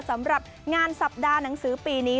สำหรับงานสัปดาห์หนังสือปีนี้